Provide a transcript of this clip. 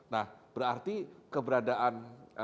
nah berarti keberadaan